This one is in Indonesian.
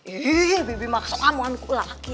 iya bibi maksudnya mau angkuh lagi